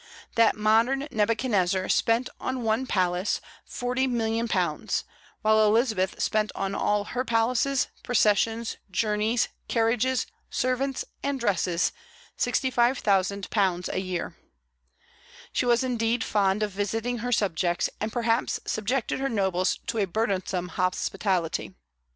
That modern Nebuchadnezzar spent on one palace £40,000,000; while Elizabeth spent on all her palaces, processions, journeys, carriages, servants, and dresses £65,000 a year. She was indeed fond of visiting her subjects, and perhaps subjected her nobles to a burdensome hospitality.